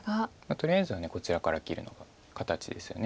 とりあえずはこちらから切るのが形ですよね。